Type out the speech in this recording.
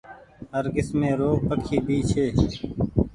هر ڪسمي رو پکي ڀي ڇي